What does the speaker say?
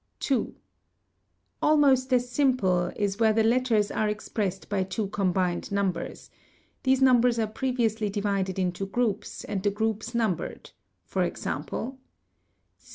9 2. Almost as simple is where the letters are expressed by two combined numbers; these numbers are previously divided into groups — and the groups numbered :—e.